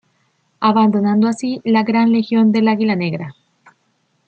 Abandonando así la Gran Legión del Águila Negra.